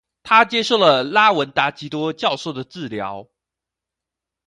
他接受了拉文達笈多教授的治療。